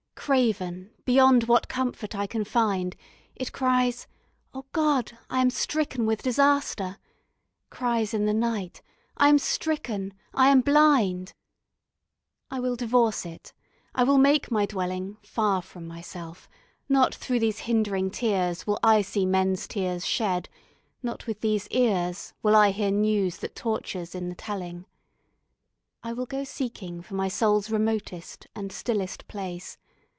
Craven, beyond what comfort I can find, It cries: "Oh, God, I am stricken with disaster." Cries in the night: "I am stricken, I am blind...." I will divorce it. I will make my dwelling Far from my Self. Not through these hind'ring tears Will I see men's tears shed. Not with these ears Will I hear news that tortures in the telling. I will go seeking for my soul's remotest And stillest place.